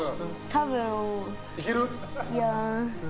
多分。